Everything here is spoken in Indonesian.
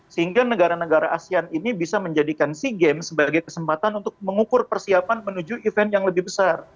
sehingga negara negara asean ini bisa menjadikan sea games sebagai kesempatan untuk mengukur persiapan menuju event yang lebih besar